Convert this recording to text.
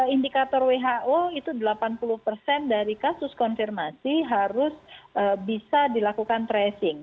indikator who itu delapan puluh persen dari kasus konfirmasi harus bisa dilakukan tracing